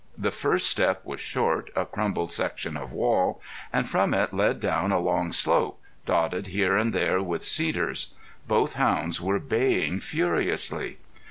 The first step was short, a crumbled section of wall, and from it led down a long slope, dotted here and there with cedars. Both hounds were baying furiously.